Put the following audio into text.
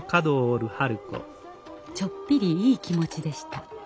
ちょっぴりいい気持ちでした。